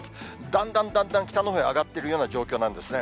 だんだんだんだん北のほうへ上がっていくような状況なんですね。